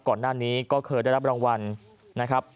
ก่อนหน้านี้ก็เคยได้รับรางวัลนะครับ